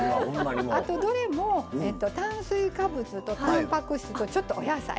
あとどれも炭水化物とたんぱく質とちょっとお野菜。